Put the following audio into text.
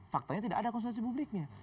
faktanya tidak ada konsultasi publiknya